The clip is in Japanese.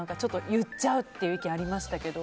言っちゃうって意見がありましたけど。